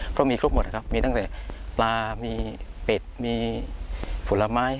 เพราะมีครบหมดครับมีตั้งแต่ปลามีเป็ดมีผลไม้